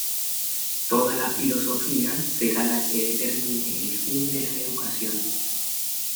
Toda la Filosofía será la que determine el fin de la educación.